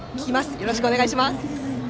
よろしくお願いします。